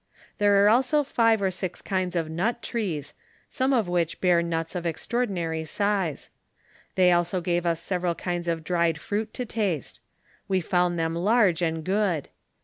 There are also five or six kinds of nut trees, some of which bear nuts of extraordinary size. They also gave us several kinds of dried fruit to taste ; we found them 172 MARBATIVK OF FATHER MEMDRE. i ; i !..'; ,|ii large and good.